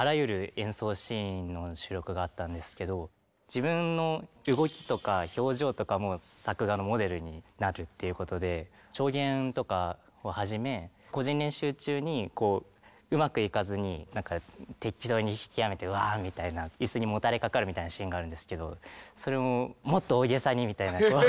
自分の動きとか表情とかも作画のモデルになるっていうことで調弦とかをはじめ個人練習中にうまくいかずに適当に弾きやめて「ワーッ」みたいな椅子にもたれかかるみたいなシーンがあるんですけどそれも「もっと大げさに」みたいなこう。